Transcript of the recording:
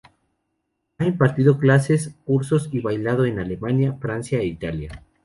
Ha impartido clases, cursos y bailado en Alemania, Francia e Italia.